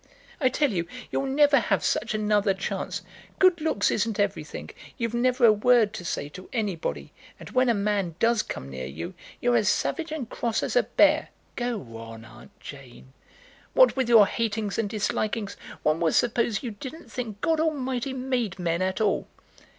"I tell you you'll never have such another chance. Good looks isn't everything. You've never a word to say to anybody; and when a man does come near you, you're as savage and cross as a bear." "Go on, Aunt Jane." "What with your hatings and dislikings, one would suppose you didn't think God Almighty made men at all."